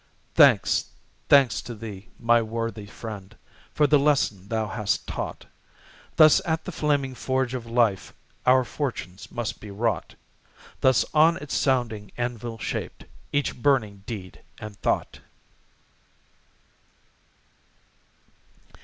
Thanks, thanks to thee, my worthy friend, For the lesson thou hast taught! Thus at the flaming forge of life Our fortunes must be wrought; Thus on its sounding anvil shaped Each burning deed and thought!